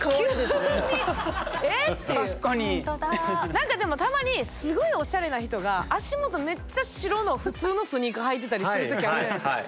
何かでもたまにすごいおしゃれな人が足元めっちゃ白の普通のスニーカー履いてたりするときあるやないですか。